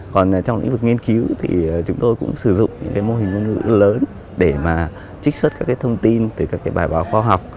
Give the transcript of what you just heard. còn trong lĩnh vực nghiên cứu thì chúng tôi cũng sử dụng những cái mô hình ngôn ngữ lớn để mà trích xuất các cái thông tin từ các cái bài báo khoa học